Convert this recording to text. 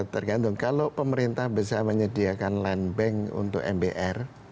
tergantung kalau pemerintah bisa menyediakan land bank untuk mbr